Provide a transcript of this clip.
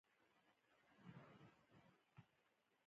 مچمچۍ خپل ژوند د نورو لپاره قربانوي